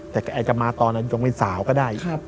แต่แกจะมาตอนนั้นจงเป็นสาวก็ได้